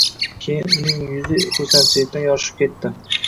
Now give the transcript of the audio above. Keyin uning yuzi xursandchilikdan yorishib ketdi.